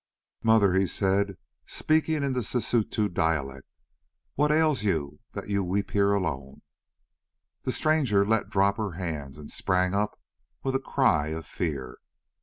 "Mother," he said, speaking in the Sisutu dialect, "what ails you that you weep here alone?" The stranger let drop her hands and sprang up with a cry of fear.